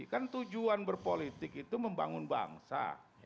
kan tujuan berpolitik itu membangun bangsa